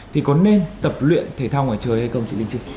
thì có nên tập luyện thể thao ngoài trời hay không chị linh chi